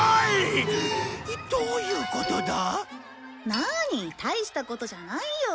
何大したことじゃないよ。